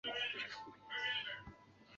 筒球虫为胶球虫科筒球虫属的动物。